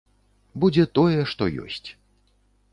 Будзе тое, што ёсць.